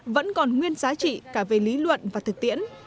vẫn còn nguyên giá trị cả về lý luận và thực tiễn